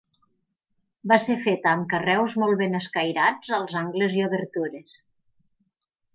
Va ser feta amb carreus molt ben escairats als angles i obertures.